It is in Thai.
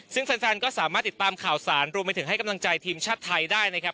ซึ่งแฟนก็สามารถติดตามข่าวสารรวมไปถึงให้กำลังใจทีมชาติไทยได้นะครับ